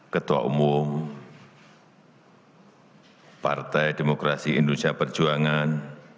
ketua umum partai demokrasi indonesia perjuangan